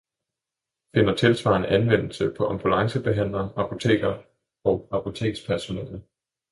finder tilsvarende anvendelse på ambulancebehandlere, apotekere og apotekspersonale